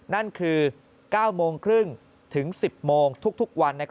นั่นคือ๙โมงครึ่งถึง๑๐โมงทุกวัน